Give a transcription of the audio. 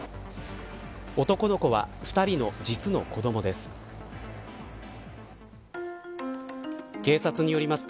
男の子は、２人の実の子どもです。